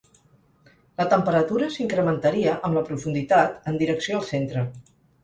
La temperatura s'incrementaria amb la profunditat en direcció al centre.